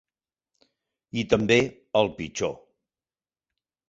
I també el pitjor.